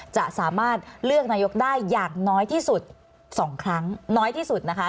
จะสามารถเลือกนายกได้อย่างน้อยที่สุด๒ครั้งน้อยที่สุดนะคะ